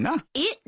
えっ？